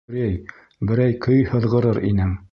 Грей, берәй көй һыҙғырыр инең.